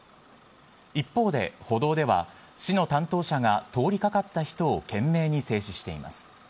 一方で、歩道では市の担当者が通りかかった人を懸命に静止しています。